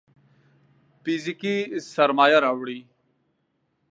فزيکي سرمايه راوړي.